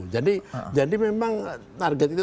jadi memang target itu